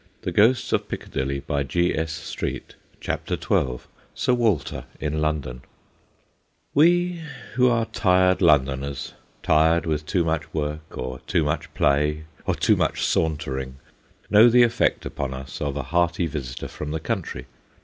192 THE GHOSTS OF PICCADILLY CHAPTEE XI SIR WALTER IN LONDON WE who are tired Londoners, tired with too much work or too much play or too much sauntering, know the effect upon us of a hearty visitor from the country.